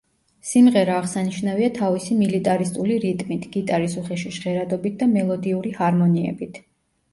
სიმღერა აღსანიშნავია თავისი მილიტარისტული რიტმით, გიტარის უხეში ჟღერადობით და მელოდიური ჰარმონიებით.